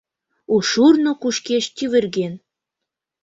У шурно кушкеш тӱвырген.